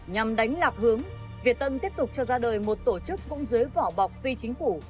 nhằm đánh lạc hướng việt tân tiếp tục cho ra đời một tổ chức cũng dưới vỏ bọc phi chính phủ